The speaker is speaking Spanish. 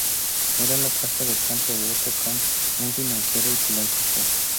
Era la casa de campo de Otto Kahn, un financiero y filántropo.